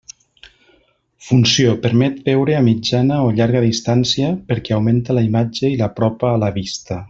Funció: permet veure a mitjana o llarga distància perquè augmenta la imatge i l'apropa a la vista.